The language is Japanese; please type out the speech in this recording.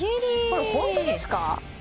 これホントですか？